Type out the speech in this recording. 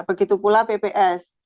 begitu pula pps